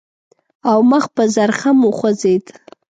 او مخ په زرخم وخوځېد.